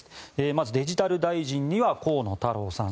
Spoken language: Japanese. まずデジタル大臣には河野太郎さん